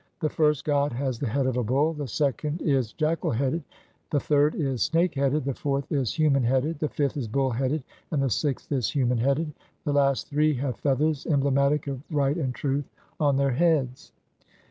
The first god has the head of a bull, the second is jackal headed, the third is snake headed, the fourth is human headed, the fifth is bull headed, and the sixth is human headed. The last three have feathers, emblematic of right and truth, on their heads.